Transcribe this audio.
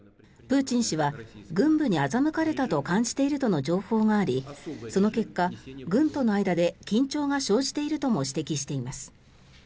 プーチン氏は軍部に欺かれたと感じているとの情報がありその結果、軍との間で緊張が生じているとも指摘しています。